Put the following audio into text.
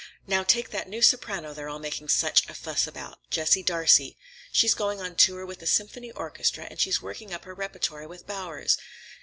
Now, take that new soprano they're all making such a fuss about, Jessie Darcey. She's going on tour with a symphony orchestra and she's working up her repertory with Bowers.